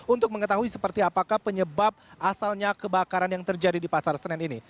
untuk mengetahui seperti apakah penyebab asalnya kebakaran yang terjadi di pasar senen ini